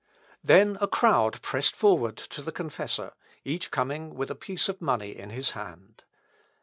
Then a crowd pressed forward to the confessor, each coming with a piece of money in his hand.